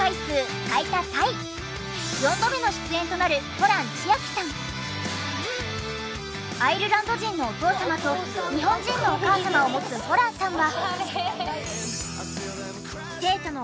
さらになんとアイルランド人のお父様と日本人のお母様を持つホランさんは。